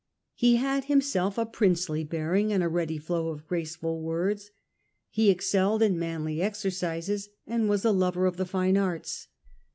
He had himself a princely bearing and a ready flow of graceful words; he excelled in manly exercises, and was a lover of the fine arts.